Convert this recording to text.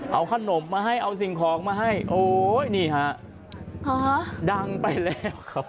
เอาขนมมาให้เอาสิ่งของมาให้โอ้ยนี่ฮะดังไปแล้วครับ